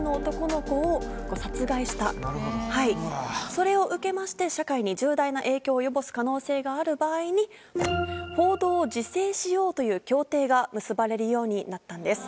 それを受けまして社会に重大な影響を及ぼす可能性がある場合に報道を自制しようという協定が結ばれるようになったんです。